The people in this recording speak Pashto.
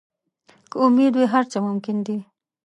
که امید وي، هر څه ممکن دي.